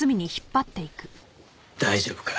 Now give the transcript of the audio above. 大丈夫か？